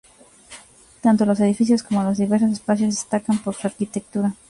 Tanto los edificios como los diversos espacios destacan por su arquitectura.